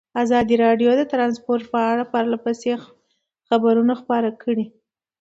ازادي راډیو د ترانسپورټ په اړه پرله پسې خبرونه خپاره کړي.